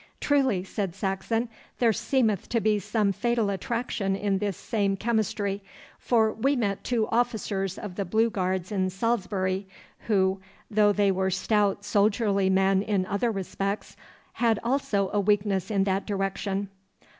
'Truly,' said Saxon, 'there seemeth to be some fatal attraction in this same chemistry, for we met two officers of the Blue Guards in Salisbury, who, though they were stout soldierly men in other respects, had also a weakness in that direction.